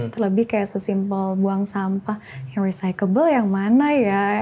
terlebih kayak sesimpel buang sampah yang recycle yang mana ya